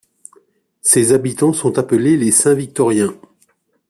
Ses habitants sont appelés les Saint-Victoriens.